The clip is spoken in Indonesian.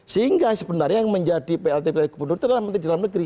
sehingga sebenarnya yang menjadi plt dari gubernur itu adalah menteri dalam negeri